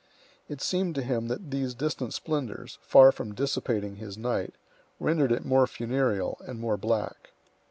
It seemed to him that these distant splendors, far from dissipating his night, rendered it more funereal and more black.